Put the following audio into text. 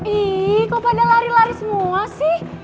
ih kok pada lari lari semua sih